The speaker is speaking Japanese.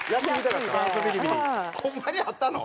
ホンマにあったの？